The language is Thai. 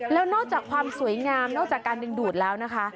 แล้วนอกจากความสวยงามนอกจากการดึงดูดแล้วนะคะ